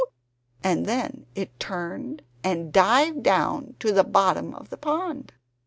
and then it turned and dived down to the bottom of the pond!